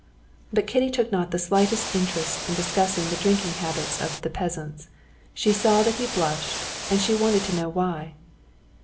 But Kitty took not the slightest interest in discussing the drinking habits of the peasants. She saw that he blushed, and she wanted to know why.